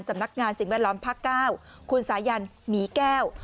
สำนักงานสิ่งแวดล้อมภาค๙คุณสายันหมีแก้ว